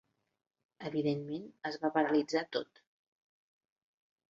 Evidentment es va paralitzar tot.